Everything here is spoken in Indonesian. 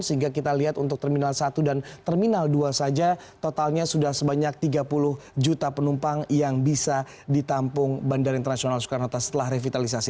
sehingga kita lihat untuk terminal satu dan terminal dua saja totalnya sudah sebanyak tiga puluh juta penumpang yang bisa ditampung bandara internasional soekarno hatta setelah revitalisasi